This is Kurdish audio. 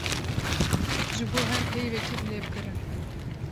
Ji bo her peyvekê bilêvkirin.